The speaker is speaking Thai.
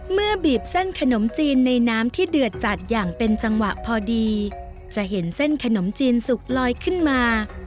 บีบเส้นขนมจีนในน้ำที่เดือดจัดอย่างเป็นจังหวะพอดีจะเห็นเส้นขนมจีนสุกลอยขึ้นมา